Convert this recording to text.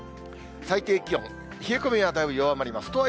最低気温、冷え込みはだいぶ弱まります。